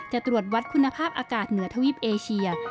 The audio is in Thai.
ตรวจวัดคุณภาพอากาศเหนือทวีปเอเชีย